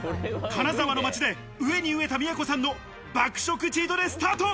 金沢の街で飢えに飢えた都さんの爆食チートデイ、スタート！